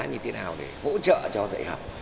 như thế nào để hỗ trợ cho dạy học